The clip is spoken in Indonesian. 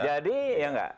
jadi ya enggak